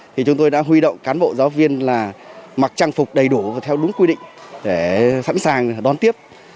thì chúng tôi đã huy động cán bộ giáo viên là mặc trang phục đầy đủ theo đúng quy định để sẵn sàng đón tiếp